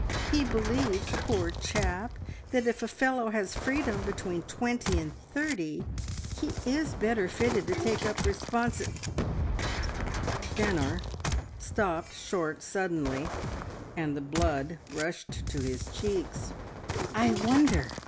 He believes, poor chap, that if a fellow has freedom between twenty and thirty, he is better fitted to take up responsi " Stanor stopped short suddenly, and the blood rushed to his cheeks. "I wonder!"